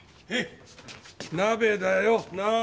鍋だよ鍋。